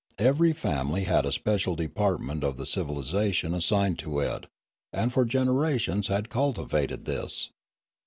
Every family had a special department of the civilisation assigned to it, and for generations it had cultivated this.